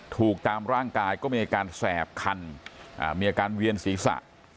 ถูกตามร่างกายก็มีอาการแสบคันมีอาการเวียนศีรษะ